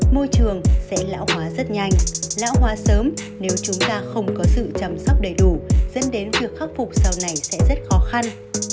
môi trường sẽ lão hóa rất nhanh lão hóa sớm nếu chúng ta không có sự chăm sóc đầy đủ dẫn đến việc khắc phục sau này sẽ rất khó khăn